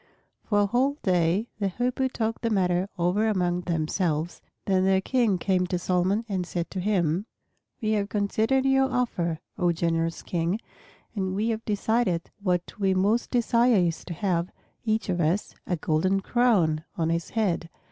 For a whole day the Hoopoes talked the matter over among themselves, then their King came to Solomon and said to him, "We have considered your offer, O generous King, and we have decided that what we most desire is to have, each of us, a golden crown on his head."